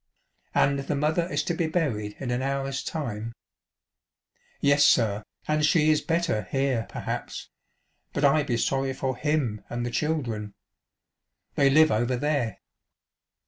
" And the mother is to be buried in an hour's time ?'*" Yes, sir, and she is better here perhaps ; but I be sorry for Mm and the children. They live over there."